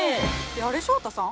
あれ翔太さん？